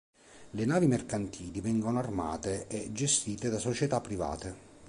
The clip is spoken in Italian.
Le navi mercantili vengono armate e gestite da società private.